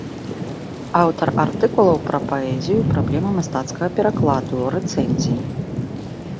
Аўтар артыкулаў пра паэзію і праблемы мастацкага перакладу, рэцэнзій.